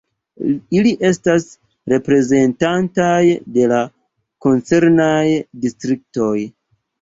Ili estas reprezentataj de la koncernaj distriktoj.